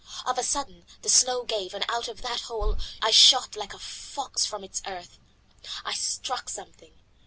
Of a sudden the snow gave, and out of that hole I shot like a fox from its earth. I struck something.